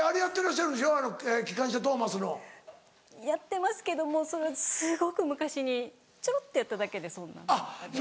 やってますけどもうそれはすごく昔にちょろっとやっただけでそんな。